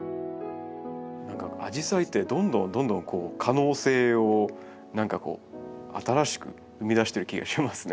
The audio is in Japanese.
アジサイってどんどんどんどん可能性を何かこう新しく生み出してる気がしますね。